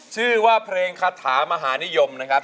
ชื่อว่าเพลงคาถามหานิยมนะครับ